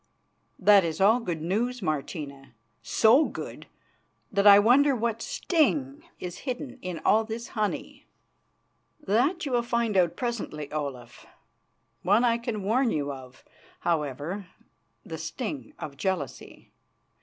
"That is all good news, Martina; so good that I wonder what sting is hidden in all this honey." "That you will find out presently, Olaf. One I can warn you of, however the sting of jealousy.